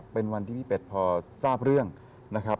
เป็นวันที่พี่เป็ดพอทราบเรื่องนะครับ